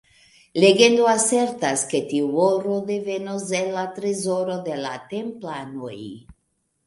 Legendo asertas, ke tiu oro devenus el la trezoro de la Templanoj.